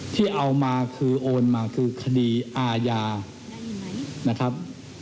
ที่เอามาคือโอนมาคือคดีอาญานะครับ